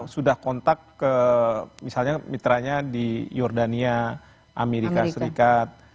sudah kontak ke misalnya mitranya di jordania amerika serikat